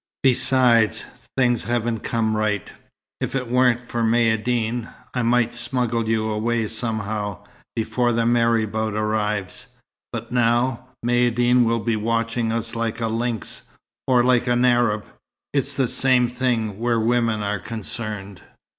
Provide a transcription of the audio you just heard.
Besides, things haven't come right. If it weren't for Maïeddine, I might smuggle you away somehow, before the marabout arrives. But now, Maïeddine will be watching us like a lynx or like an Arab. It's the same thing where women are concerned."